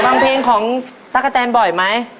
ฟังเพลงของตะกะแตนบ่อยไหม